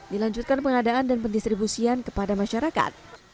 dilanjutkan pengadaan dan pendistribusian kepada masyarakat